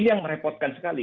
ini yang merepotkan sekali